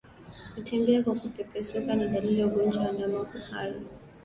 Kutembea kwa kupepesuka ni dalili ya ugonjwa wa ndama kuhara